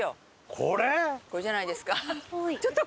これじゃないですか？